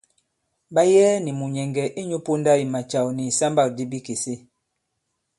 Ɓa yɛɛ nì mùnyɛ̀ŋgɛ̀ inyū ponda i macàw nì ìsambâkdi bikèse.